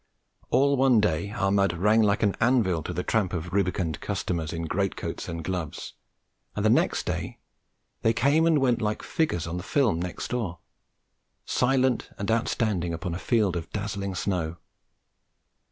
All one day our mud rang like an anvil to the tramp of rubicund customers in greatcoats and gloves; and the next day they came and went like figures on the film next door, silent and outstanding upon a field of dazzling snow.